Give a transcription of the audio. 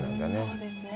そうですね。